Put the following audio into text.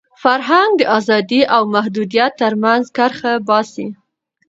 فرهنګ د ازادۍ او محدودیت تر منځ کرښه باسي.